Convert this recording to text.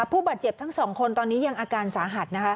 ผู้บาดเจ็บทั้งสองคนตอนนี้ยังอาการสาหัสนะคะ